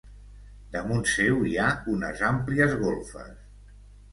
Damunt seu hi ha unes àmplies golfes.